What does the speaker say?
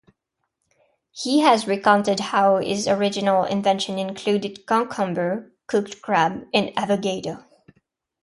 He has recounted how his original invention included cucumber, cooked crab, and avocado.